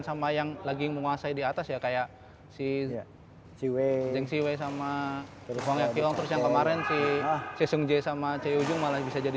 sama yang lagi menguasai di atas ya kayak si siway sama kemarin sih seng j sama ceo malah bisa jadi